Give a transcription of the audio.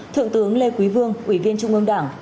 thượng tướng lê quý vương ủy viên trung ương đảng